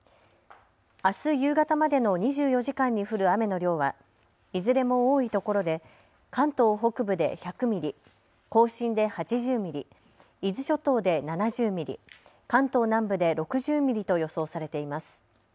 あす夕方までの２４時間に降る雨の量はいずれも多いところで関東北部で１００ミリ、甲信で８０ミリ、伊豆諸島で７０ミリ、関東南部で６０ミリと予想されています。